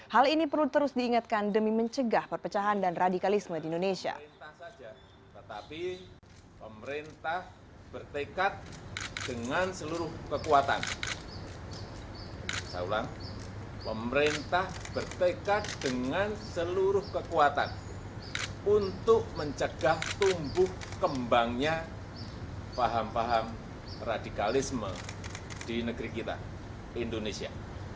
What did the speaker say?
hal ini perlu terus diingatkan demi mencegah perpecahan dan radikalisme di indonesia